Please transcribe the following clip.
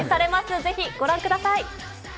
ぜひ、ご覧ください。